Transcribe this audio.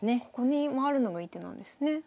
ここに回るのがいい手なんですね。